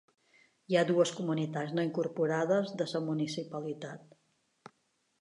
Hi ha dues comunitats no incorporades de la municipalitat.